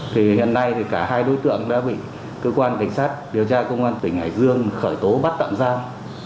thì hiện nay thì cả hai đối tượng đã bị cơ quan cảnh sát điều tra công an tỉnh hải dương khởi tố bắt tạm giam